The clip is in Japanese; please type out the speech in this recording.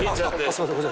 すいません。